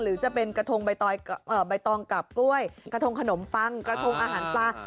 หรือจะเป็นกระทงใบตองกับกล้วยกระทงขนมปังกระทงอาหารปลา